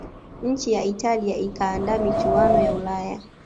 nchi ya italia ikaandaa michuano ya ulaya